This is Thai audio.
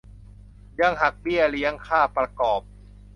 ยังหักเบี้ยเลี้ยงค่าประกอบ